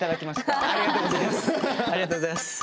ありがとうございます。